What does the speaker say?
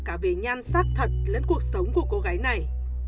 cả về nhan sắc thật lẫn cuộc sống của cô gái này